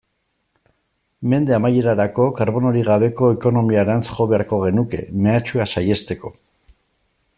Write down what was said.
Mende amaierarako karbonorik gabeko ekonomiarantz jo beharko genuke, mehatxua saihesteko.